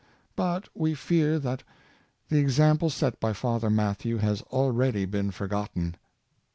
But we fear that the example set by Father Mathew has already been forgotton.